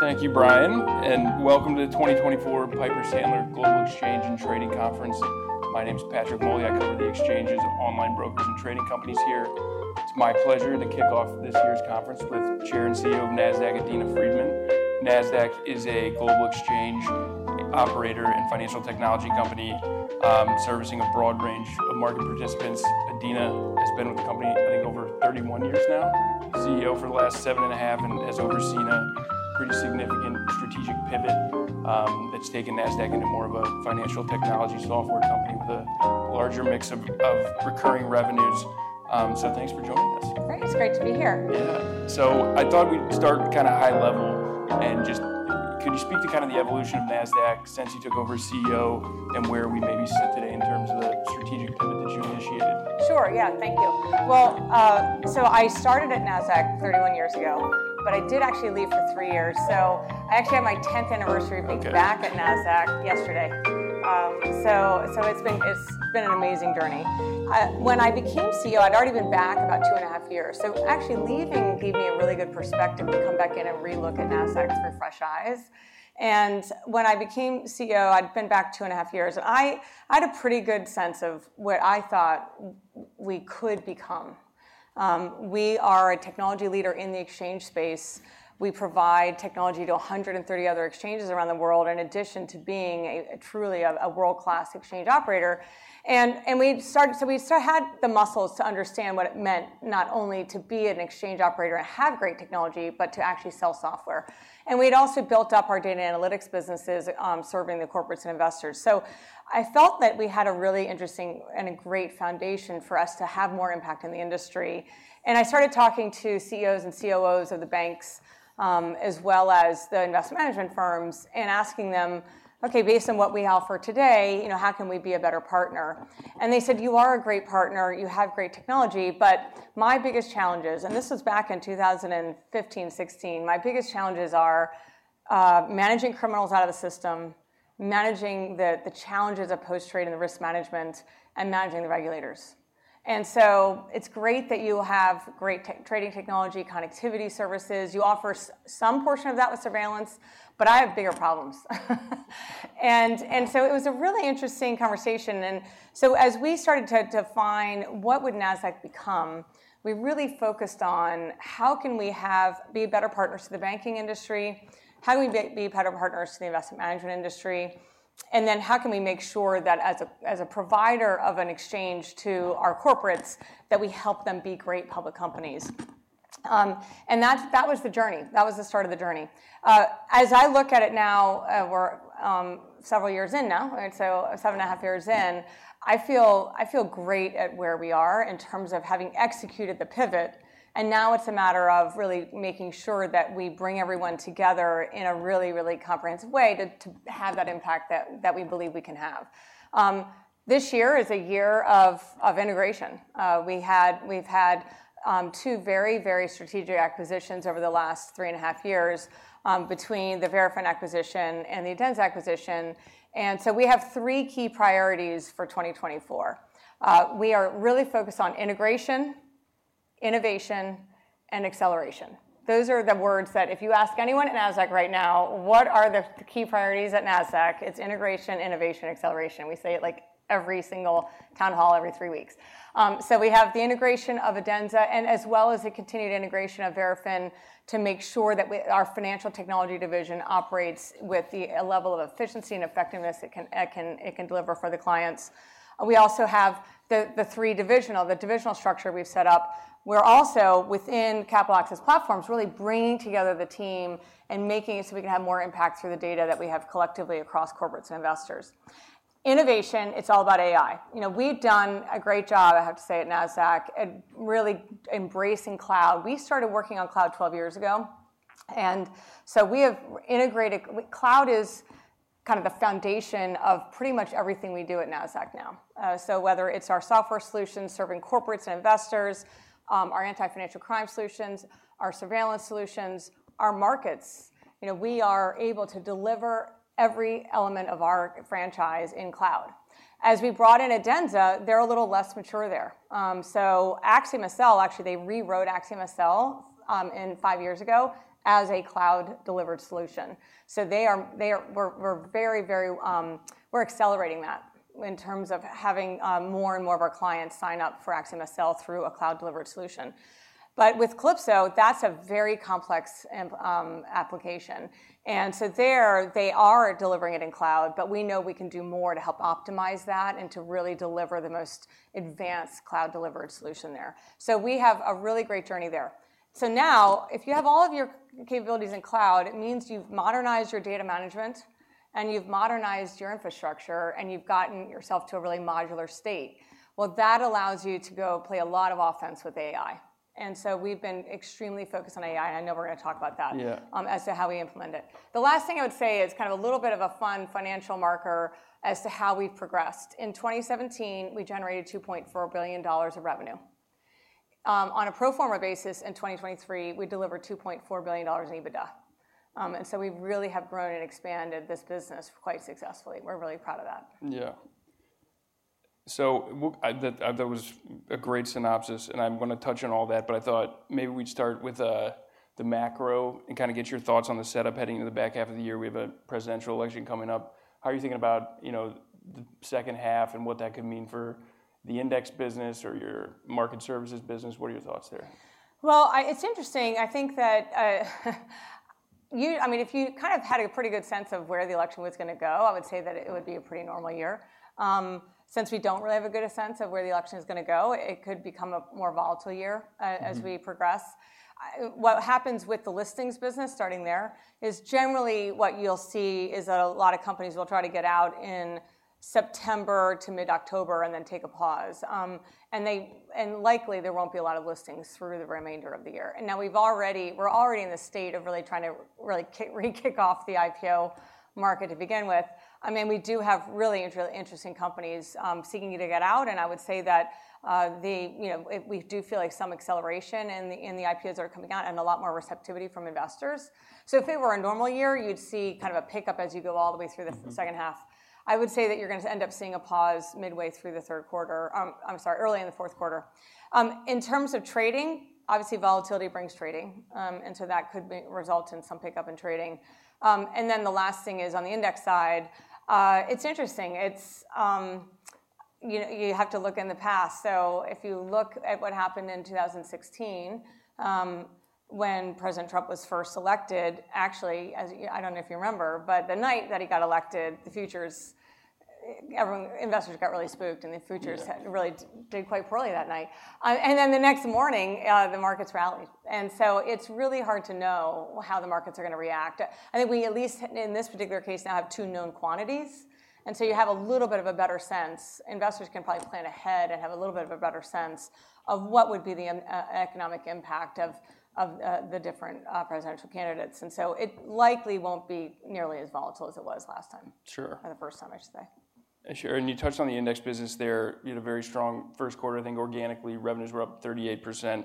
Thank you, Brian, and welcome to the 2024 Piper Sandler Global Exchange and Trading Conference. My name is Patrick Moley. I cover the exchanges of online brokers and trading companies here. It's my pleasure to kick off this year's conference with Chair and CEO of Nasdaq, Adena Friedman. Nasdaq is a global exchange operator and financial technology company, servicing a broad range of market participants. Adena has been with the company, I think, over 31 years now, CEO for the last 7.5, and has overseen a pretty significant strategic pivot, that's taken Nasdaq into more of a financial technology software company with a larger mix of recurring revenues. So thanks for joining us. Great. It's great to be here. Yeah. So I thought we'd start kind of high level and just could you speak to kind of the evolution of Nasdaq since you took over as CEO and where we may be set today in terms of the strategic pivot that you initiated? Sure, yeah. Thank you. Well, so I started at Nasdaq 31 years ago, but I did actually leave for three years, so I actually had my 10th anniversary- Okay.... back at Nasdaq yesterday. So it's been an amazing journey. When I became CEO, I'd already been back about 2.5 years, so actually leaving gave me a really good perspective to come back in and relook at Nasdaq with fresh eyes. And when I became CEO, I'd been back 2.5 years. I had a pretty good sense of what I thought we could become. We are a technology leader in the exchange space. We provide technology to 130 other exchanges around the world, in addition to being truly a world-class exchange operator. And we started, so we still had the muscles to understand what it meant, not only to be an exchange operator and have great technology, but to actually sell software. We'd also built up our data analytics businesses, serving the corporates and investors. So I felt that we had a really interesting and a great foundation for us to have more impact in the industry. I started talking to CEOs and COOs of the banks, as well as the investment management firms, and asking them: "Okay, based on what we offer today, you know, how can we be a better partner?" They said, "You are a great partner. You have great technology, but my biggest challenge is..." And this was back in 2015, 2016. "My biggest challenges are, managing criminals out of the system, managing the challenges of post-trade and risk management, and managing the regulators. So it's great that you have great tech trading technology, connectivity services. You offer some portion of that with surveillance, but I have bigger problems." And so it was a really interesting conversation, and so as we started to define what would Nasdaq become, we really focused on how can we be better partners to the banking industry? How do we be better partners to the investment management industry? And then, how can we make sure that as a provider of an exchange to our corporates, that we help them be great public companies? And that was the journey. That was the start of the journey. As I look at it now, we're several years in now, right? So 7.5 years in, I feel, I feel great at where we are in terms of having executed the pivot, and now it's a matter of really making sure that we bring everyone together in a really, really comprehensive way to have that impact that we believe we can have. This year is a year of integration. We've had 2 very, very strategic acquisitions over the last 3.5 years, between the Verafin acquisition and the Adenza acquisition, and so we have 3 key priorities for 2024. We are really focused on integration, innovation, and acceleration. Those are the words that if you ask anyone at Nasdaq right now, what are the key priorities at Nasdaq? It's integration, innovation, acceleration. We say it like every single town hall every 3 weeks. So we have the integration of Adenza and as well as the continued integration of Verafin to make sure that we—our Financial Technology division operates with the, a level of efficiency and effectiveness it can deliver for the clients. We also have the three divisional structure we've set up. We're also, within Capital Access Platforms, really bringing together the team and making it so we can have more impact through the data that we have collectively across corporates and investors. Innovation, it's all about AI. You know, we've done a great job, I have to say, at Nasdaq at really embracing cloud. We started working on cloud 12 years ago, and so we have integrated—cloud is kind of the foundation of pretty much everything we do at Nasdaq now. So whether it's our software solutions, serving corporates and investors, our Anti-Financial Crime solutions, our surveillance solutions, our markets, you know, we are able to deliver every element of our franchise in cloud. As we brought in Adenza, they're a little less mature there. AxiomSL, actually, they rewrote AxiomSL 5 years ago as a cloud-delivered solution. So we're very, very accelerating that in terms of having more and more of our clients sign up for AxiomSL through a cloud-delivered solution. But with Calypso, that's a very complex application, and so there, they are delivering it in cloud, but we know we can do more to help optimize that and to really deliver the most advanced cloud-delivered solution there. So we have a really great journey there. So now, if you have all of your capabilities in cloud, it means you've modernized your data management, and you've modernized your infrastructure, and you've gotten yourself to a really modular state. Well, that allows you to go play a lot of offense with AI, and so we've been extremely focused on AI. I know we're going to talk about that- Yeah.... as to how we implement it. The last thing I would say is kind of a little bit of a fun financial marker as to how we've progressed. In 2017, we generated $2.4 billion of revenue. On a pro forma basis in 2023, we delivered $2.4 billion in EBITDA. And so we really have grown and expanded this business quite successfully. We're really proud of that. Yeah. So, that, that was a great synopsis, and I'm gonna touch on all that, but I thought maybe we'd start with the macro, and kind of get your thoughts on the setup heading into the back half of the year. We have a presidential election coming up. How are you thinking about, you know, the second half and what that could mean for the index business or your Market Services business? What are your thoughts there? Well, it's interesting. I think that, I mean, if you kind of had a pretty good sense of where the election was gonna go, I would say that it would be a pretty normal year. Since we don't really have a good sense of where the election is gonna go, it could become a more volatile year. Mm-hmm. As we progress. What happens with the listings business, starting there, is generally what you'll see is a lot of companies will try to get out in September to mid-October, and then take a pause. And likely, there won't be a lot of listings through the remainder of the year. And now, we're already in the state of really trying to really kick off the IPO market to begin with. I mean, we do have really, really interesting companies, seeking to get out, and I would say that, you know, we do feel like some acceleration in the IPOs are coming out, and a lot more receptivity from investors. So if it were a normal year, you'd see kind of a pickup as you go all the way through the- Mm-hmm. -second half. I would say that you're gonna end up seeing a pause midway through the third quarter, I'm sorry, early in the fourth quarter. In terms of trading, obviously, volatility brings trading, and so that could result in some pickup in trading. And then the last thing is on the index side, it's interesting, you have to look in the past. So if you look at what happened in 2016, when President Trump was first elected, actually, as I don't know if you remember, but the night that he got elected, the futures, everyone, investors got really spooked, and the futures- Yeah.... really did quite poorly that night. And then the next morning, the markets rallied. And so it's really hard to know how the markets are gonna react. I think we, at least, in this particular case, now have two known quantities, and so you have a little bit of a better sense. Investors can probably plan ahead and have a little bit of a better sense of what would be the economic impact of the different presidential candidates, and so it likely won't be nearly as volatile as it was last time. Sure. For the first time, I should say. Sure, and you touched on the index business there. You had a very strong first quarter. I think organically, revenues were up 38%,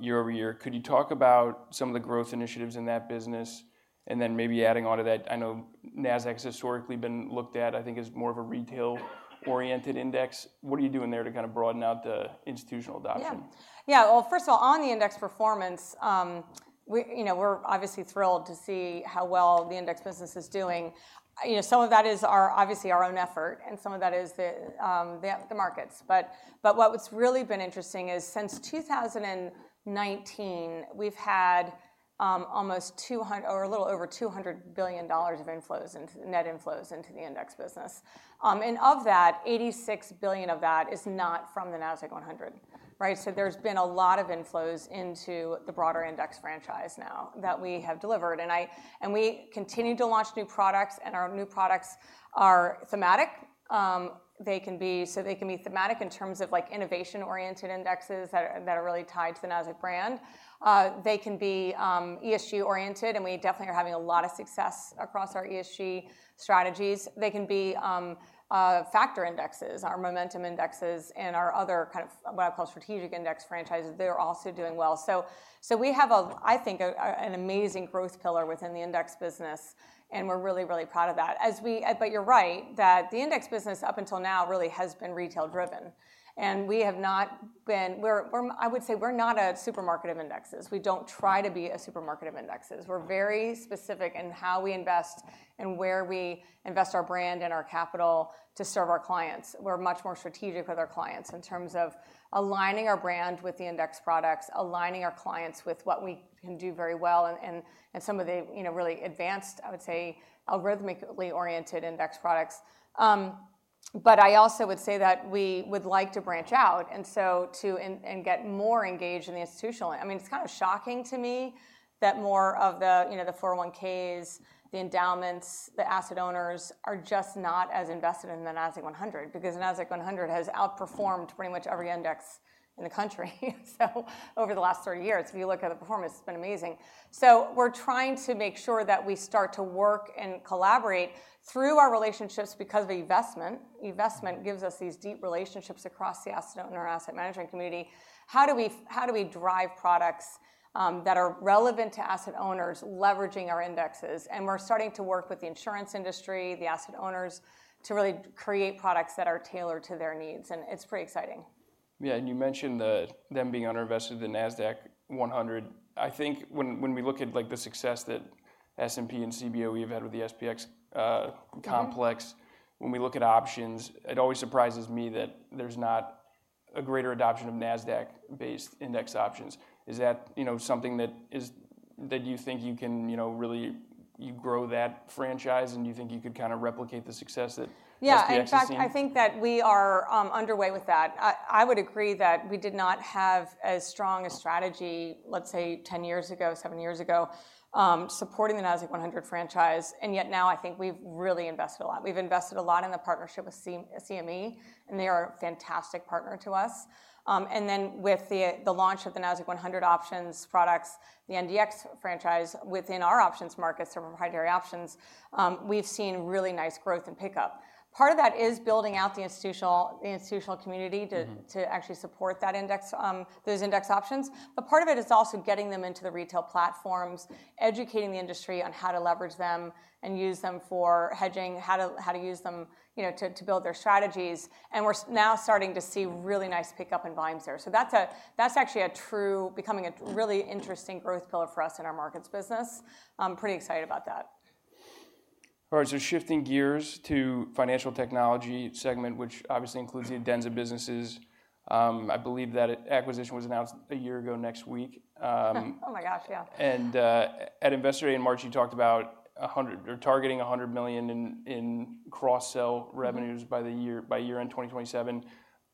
year-over-year. Could you talk about some of the growth initiatives in that business? And then maybe adding on to that, I know Nasdaq's historically been looked at, I think, as more of a retail-oriented index. What are you doing there to kind of broaden out the institutional adoption? Yeah. Yeah, well, first of all, on the index performance, we, you know, we're obviously thrilled to see how well the index business is doing. You know, some of that is our, obviously, our own effort, and some of that is the markets. But what what's really been interesting is since 2019, we've had almost $200 billion or a little over $200 billion of net inflows into the index business. And of that, $86 billion of that is not from the Nasdaq-100, right? So there's been a lot of inflows into the broader index franchise now, that we have delivered. And we continue to launch new products, and our new products are thematic. They can be, so they can be thematic in terms of, like, innovation-oriented indexes that are really tied to the Nasdaq brand. They can be ESG-oriented, and we definitely are having a lot of success across our ESG strategies. They can be factor indexes, our momentum indexes, and our other kind of what I call strategic index franchises. They're also doing well. So we have, I think, an amazing growth pillar within the index business, and we're really, really proud of that. As we, but you're right, that the index business, up until now, really has been retail-driven, and we have not been. We're, I would say, we're not a supermarket of indexes. We don't try to be a supermarket of indexes. We're very specific in how we invest and where we invest our brand and our capital to serve our clients. We're much more strategic with our clients in terms of aligning our brand with the index products, aligning our clients with what we can do very well, and some of the, you know, really advanced, I would say, algorithmically-oriented index products. But I also would say that we would like to branch out, and so to and get more engaged in the institutional. I mean, it's kind of shocking to me that more of the, you know, the 401(k)s, the endowments, the asset owners, are just not as invested in the Nasdaq-100, because Nasdaq-100 has outperformed pretty much every index in the country, so over the last 30 years, if you look at the performance, it's been amazing. So we're trying to make sure that we start to work and collaborate through our relationships because of eVestment. eVestment gives us these deep relationships across the asset owner or asset management community. How do we, how do we drive products that are relevant to asset owners, leveraging our indexes? And we're starting to work with the insurance industry, the asset owners, to really create products that are tailored to their needs, and it's pretty exciting. Yeah, and you mentioned them being underinvested in the Nasdaq-100. I think when we look at, like, the success that S&P and Cboe have had with the SPX complex- Mm-hmm. When we look at options, it always surprises me that there's not a greater adoption of Nasdaq-based index options. Is that, you know, something that you think you can, you know, really grow that franchise, and you think you could kind of replicate the success that SPX has seen? Yeah, in fact, I think that we are underway with that. I would agree that we did not have as strong a strategy, let's say, 10 years ago, 7 years ago, supporting the Nasdaq-100 franchise, and yet now I think we've really invested a lot. We've invested a lot in the partnership with CME, and they are a fantastic partner to us. And then, with the launch of the Nasdaq-100 options products, the NDX franchise, within our options markets, our primary options, we've seen really nice growth and pickup. Part of that is building out the institutional, the institutional community- Mm-hmm.... to actually support that index, those index options. But part of it is also getting them into the retail platforms, educating the industry on how to leverage them, and use them for hedging, how to use them, you know, to build their strategies. And we're now starting to see really nice pickup in volumes there. So that's actually truly becoming a really interesting growth pillar for us in our markets business. I'm pretty excited about that. All right, so shifting gears to Financial Technology segment, which obviously includes the Adenza businesses. I believe that acquisition was announced a year ago next week. Oh, my gosh, yeah. At Investor Day in March, you talked about 100, you're targeting $100 million in cross-sell revenues by year-end 2027.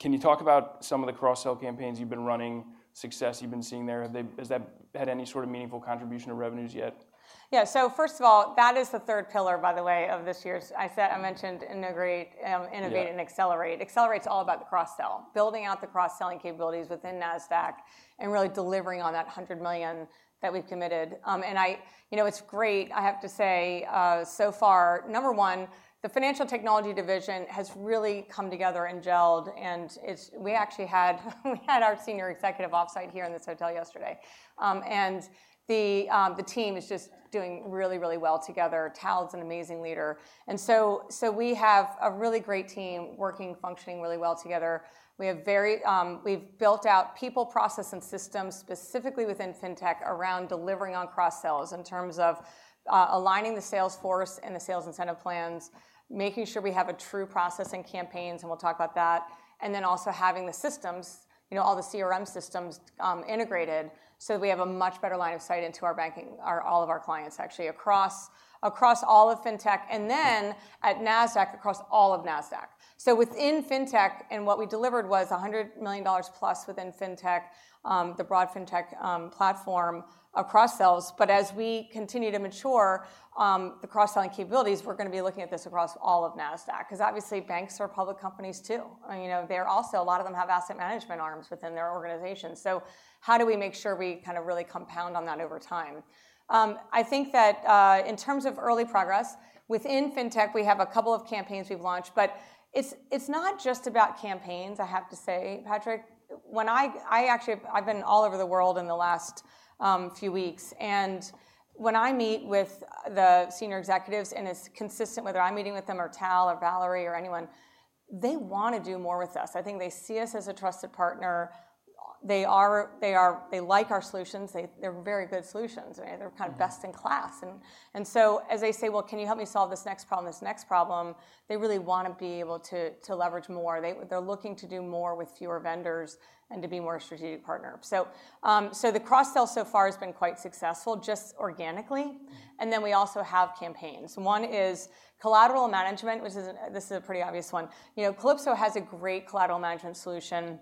Can you talk about some of the cross-sell campaigns you've been running, success you've been seeing there? Has that had any sort of meaningful contribution to revenues yet? Yeah. So first of all, that is the third pillar, by the way, of this year's... I mentioned integrate. Yeah... innovate, and accelerate. Accelerate's all about the cross-sell, building out the cross-selling capabilities within Nasdaq and really delivering on that $100 million that we've committed. You know, it's great, I have to say, so far, number one, the financial technology division has really come together and gelled, and it's-- we actually had, we had our senior executive offsite here in this hotel yesterday. The team is just doing really, really well together. Tal is an amazing leader. And so, so we have a really great team working, functioning really well together. We've built out people, process, and systems, specifically within Fintech, around delivering on cross-sells, in terms of, aligning the sales force and the sales incentive plans, making sure we have a true processing campaigns, and we'll talk about that. And then also having the systems, you know, all the CRM systems, integrated, so that we have a much better line of sight into our banking, all of our clients, actually, across all of Fintech. And then, at Nasdaq, across all of Nasdaq. So within Fintech, and what we delivered was $100 million plus within Fintech, the broad Fintech platform cross-sells. But as we continue to mature the cross-selling capabilities, we're gonna be looking at this across all of Nasdaq, 'cause obviously, banks are public companies, too. And, you know, they're also, a lot of them have asset management arms within their organization. So how do we make sure we kind of really compound on that over time? I think that in terms of early progress, within Fintech, we have a couple of campaigns we've launched, but it's not just about campaigns, I have to say, Patrick. When I actually, I've been all over the world in the last few weeks, and when I meet with the senior executives, and it's consistent, whether I'm meeting with them, or Tal, or Valerie, or anyone, they want to do more with us. I think they see us as a trusted partner. They are. They like our solutions. They're very good solutions. They're kind of best-in-class. Yeah. And so as they say, "Well, can you help me solve this next problem, this next problem?" They really wanna be able to to leverage more. They're looking to do more with fewer vendors and to be more a strategic partner. So, so the cross-sell so far has been quite successful, just organically. And then we also have campaigns. One is collateral management, which is, this is a pretty obvious one. You know, Calypso has a great collateral management solution,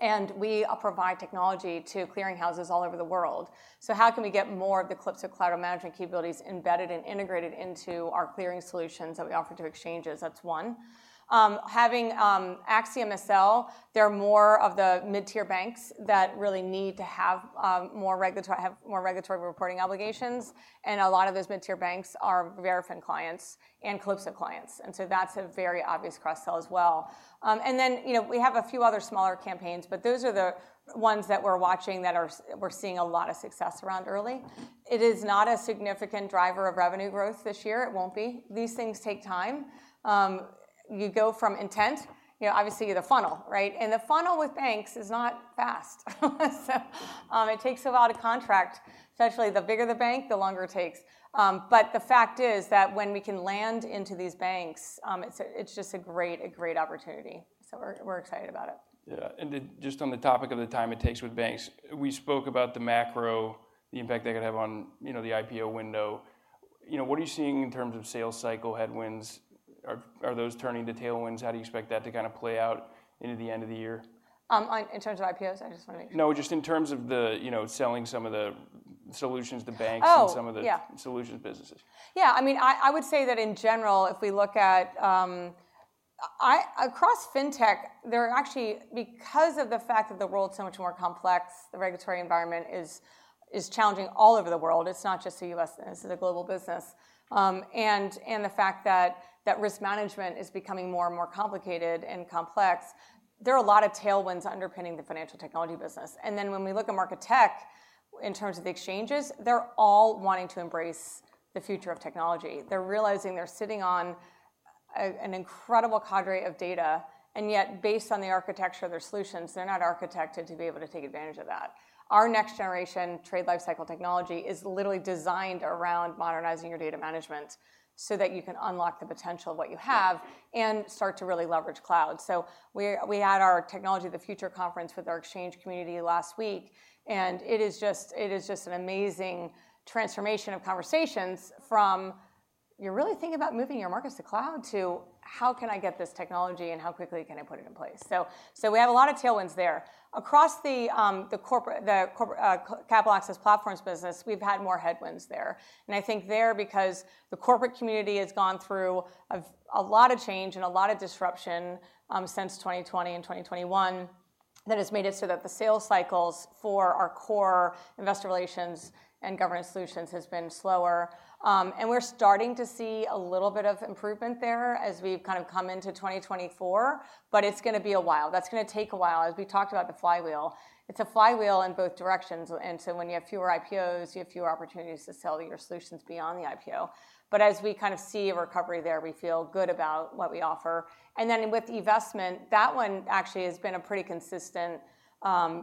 and we provide technology to clearing houses all over the world. So how can we get more of the Calypso collateral management capabilities embedded and integrated into our clearing solutions that we offer to exchanges? That's one. Having AxiomSL, they're more of the mid-tier banks that really need to have more regulatory reporting obligations, and a lot of those mid-tier banks are Verafin clients and Calypso clients, and so that's a very obvious cross-sell as well. And then, you know, we have a few other smaller campaigns, but those are the ones that we're watching, that are, we're seeing a lot of success around early. It is not a significant driver of revenue growth this year. It won't be. These things take time. You go from intent, you know, obviously, the funnel, right? And the funnel with banks is not fast. So, it takes a lot of contract. Especially, the bigger the bank, the longer it takes. But the fact is that when we can land into these banks, it's just a great opportunity. So we're excited about it. Yeah. And then just on the topic of the time it takes with banks, we spoke about the macro, the impact that could have on, you know, the IPO window. You know, what are you seeing in terms of sales cycle headwinds? Are those turning to tailwinds? How do you expect that to kind of play out into the end of the year? In terms of IPOs? I just wanna make sure. No, just in terms of the, you know, selling some of the solutions to banks- Oh. and some of the- Yeah.... solutions businesses. Yeah. I mean, I would say that, in general, if we look at across Fintech, there are actually, because of the fact that the world is so much more complex, the regulatory environment is challenging all over the world. It's not just the U.S., it's the global business. And the fact that risk management is becoming more and more complicated and complex, there are a lot of tailwinds underpinning the financial technology business. And then when we look at Market Tech, in terms of the exchanges, they're all wanting to embrace the future of technology. They're realizing they're sitting on an incredible cadre of data, and yet, based on the architecture of their solutions, they're not architected to be able to take advantage of that. Our next generation trade life cycle technology is literally designed around modernizing your data management, so that you can unlock the potential of what you have and start to really leverage cloud. So we had our Technology of the Future conference with our exchange community last week, and it is just an amazing transformation of conversations from, "You're really thinking about moving your markets to cloud?" to, "How can I get this technology, and how quickly can I put it in place?" So we have a lot of tailwinds there. Across the corporate Capital Access Platforms business, we've had more headwinds there. And I think there, because the corporate community has gone through a lot of change and a lot of disruption since 2020 and 2021, that has made it so that the sales cycles for our core investor relations and governance solutions has been slower. And we're starting to see a little bit of improvement there as we've kind of come into 2024, but it's gonna be a while. That's gonna take a while. As we talked about the flywheel, it's a flywheel in both directions, and so when you have fewer IPOs, you have fewer opportunities to sell your solutions beyond the IPO. But as we kind of see a recovery there, we feel good about what we offer. And then with eVestment, that one actually has been a pretty consistent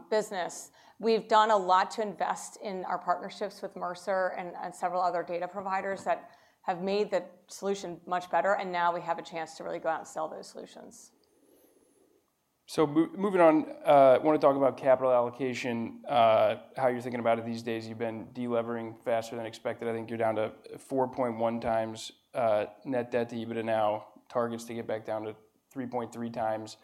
business. We've done a lot to invest in our partnerships with Mercer and several other data providers that have made the solution much better, and now we have a chance to really go out and sell those solutions. So moving on, I wanna talk about capital allocation, how you're thinking about it these days. You've been de-levering faster than expected. I think you're down to 4.1x net debt to EBITDA now, targets to get back down to 3.3x.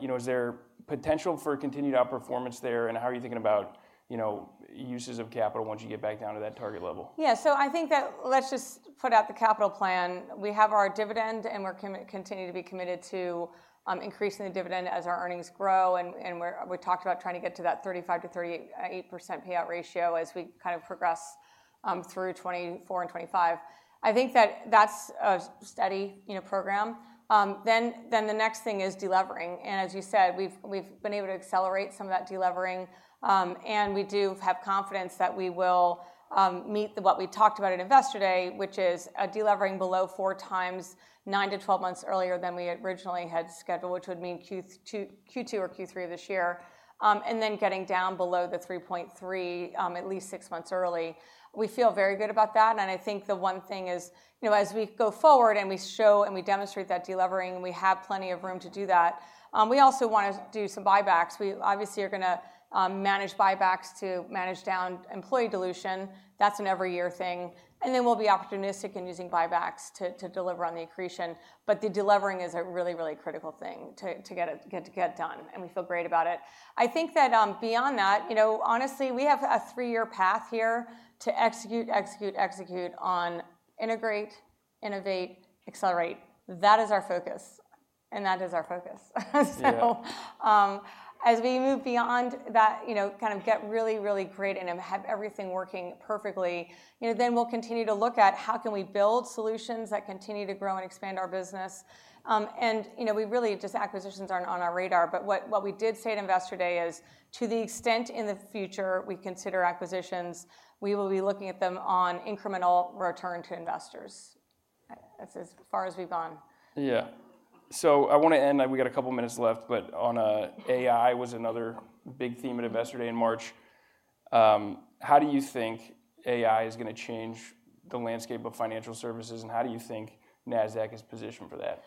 You know, is there potential for continued outperformance there, and how are you thinking about, you know, uses of capital once you get back down to that target level? Yeah, so I think that let's just put out the capital plan. We have our dividend, and we're continue to be committed to increasing the dividend as our earnings grow, and we talked about trying to get to that 35%-38% payout ratio as we kind of progress through 2024 and 2025. I think that that's a steady, you know, program. Then the next thing is delevering, and as you said, we've been able to accelerate some of that delevering. And we do have confidence that we will meet what we talked about at Investor Day, which is a delevering below 4x, 9-12 months earlier than we originally had scheduled, which would mean Q2 or Q3 this year. And then getting down below the 3.3 at least 6 months early. We feel very good about that, and I think the one thing is, you know, as we go forward, and we show, and we demonstrate that de-levering, we have plenty of room to do that. We also wanna do some buybacks. We obviously are gonna manage buybacks to manage down employee dilution. That's an every year thing, and then we'll be opportunistic in using buybacks to deliver on the accretion. But the de-levering is a really, really critical thing to get done, and we feel great about it. I think that beyond that, you know, honestly, we have a 3-year path here to execute, execute, execute on integrate, innovate, accelerate. That is our focus, and that is our focus. So- Yeah. As we move beyond that, you know, kind of get really, really great and have everything working perfectly, you know, then we'll continue to look at how can we build solutions that continue to grow and expand our business. You know, we really just acquisitions aren't on our radar, but what we did say at Investor Day is, to the extent in the future we consider acquisitions, we will be looking at them on incremental return to investors. That's as far as we've gone. Yeah. So I wanna end, and we got a couple of minutes left, but on AI was another big theme at Investor Day in March. How do you think AI is gonna change the landscape of financial services, and how do you think Nasdaq is positioned for that?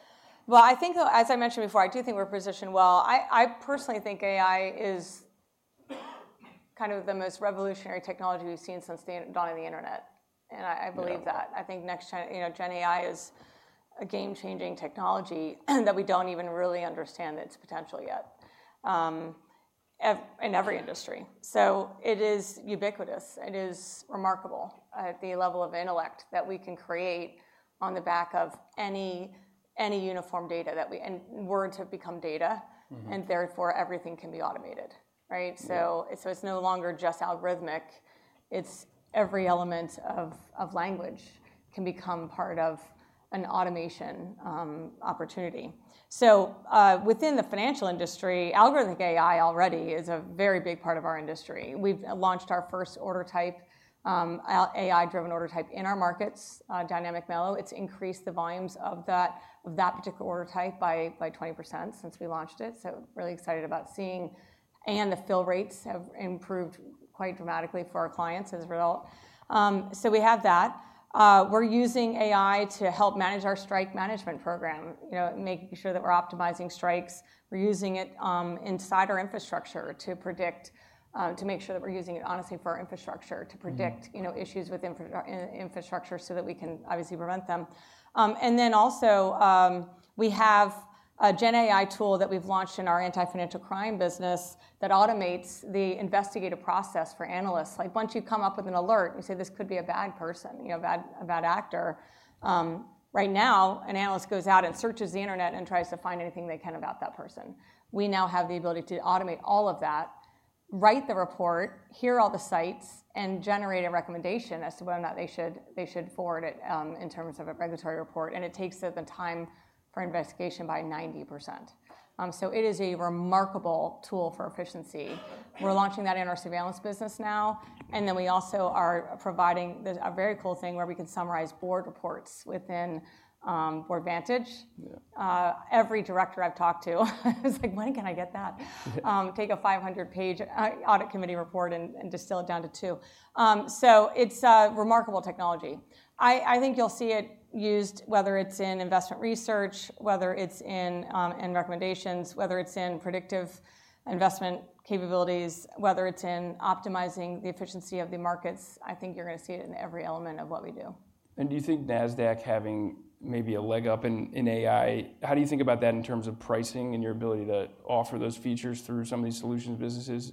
Well, I think, as I mentioned before, I do think we're positioned well. I, I personally think AI is kind of the most revolutionary technology we've seen since the dawn of the internet, and I- Yeah. I believe that. I think next-gen, you know, GenAI is a game-changing technology that we don't even really understand its potential yet, in every industry. So it is ubiquitous. It is remarkable, the level of intellect that we can create on the back of any, any uniform data that we... And words have become data. Mm-hmm. Therefore, everything can be automated, right? Yeah. So it's no longer just algorithmic, it's every element of language can become part of an automation opportunity. So within the financial industry, algorithmic AI already is a very big part of our industry. We've launched our first order type, AI-driven order type in our markets, Dynamic M-ELO. It's increased the volumes of that particular order type by 20% since we launched it, so really excited about seeing... And the fill rates have improved quite dramatically for our clients as a result. So we have that. We're using AI to help manage our strike management program, you know, making sure that we're optimizing strikes. We're using it inside our infrastructure to predict, to make sure that we're using it honestly for our infrastructure- Mm-hmm.... to predict, you know, issues with infra, infrastructure, so that we can obviously prevent them. And then also, we have a GenAI tool that we've launched in our Anti-Financial Crime business that automates the investigative process for analysts. Like, once you come up with an alert, you say, "This could be a bad person," you know, a bad, a bad actor. Right now, an analyst goes out and searches the internet and tries to find anything they can about that person. We now have the ability to automate all of that, write the report, hit all the sites, and generate a recommendation as to whether or not they should, they should forward it, in terms of a regulatory report, and it takes the time for investigation by 90%. So it is a remarkable tool for efficiency. We're launching that in our surveillance business now, and then we also are providing a very cool thing where we can summarize board reports within Boardvantage. Yeah. Every director I've talked to was like, "When can I get that? Yeah. Take a 500-page audit committee report and distill it down to two. So it's a remarkable technology. I think you'll see it used, whether it's in investment research, whether it's in recommendations, whether it's in predictive investment capabilities, whether it's in optimizing the efficiency of the markets. I think you're gonna see it in every element of what we do. Do you think Nasdaq having maybe a leg up in, in AI, how do you think about that in terms of pricing and your ability to offer those features through some of these solutions businesses?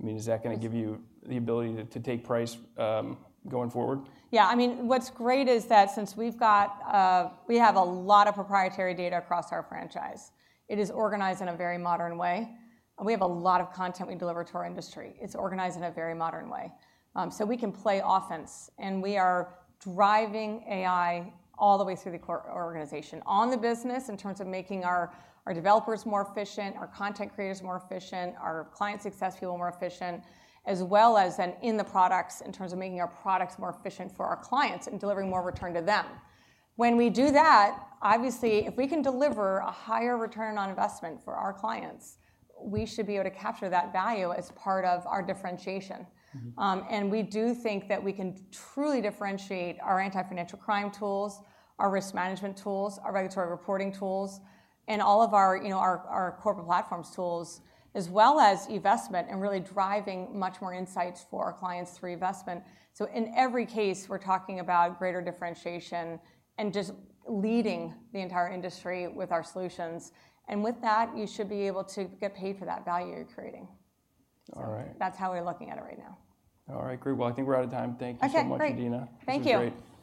I mean, is that gonna give you the ability to, to take price going forward? Yeah. I mean, what's great is that since we've got, we have a lot of proprietary data across our franchise, it is organized in a very modern way, and we have a lot of content we deliver to our industry. It's organized in a very modern way. So we can play offense, and we are driving AI all the way through the core organization. On the business, in terms of making our, our developers more efficient, our content creators more efficient, our client success people more efficient, as well as in, in the products, in terms of making our products more efficient for our clients and delivering more return to them. When we do that, obviously, if we can deliver a higher return on investment for our clients, we should be able to capture that value as part of our differentiation. Mm-hmm. We do think that we can truly differentiate our Anti-Financial Crime tools, our risk management tools, our regulatory reporting tools, and all of our, you know, our corporate platforms tools, as well as investment, and really driving much more insights for our clients through investment. So in every case, we're talking about greater differentiation and just leading the entire industry with our solutions. With that, you should be able to get paid for that value you're creating. All right. That's how we're looking at it right now. All right, great. Well, I think we're out of time. Thank you- Okay, great. So much, Adena. Thank you. This was great.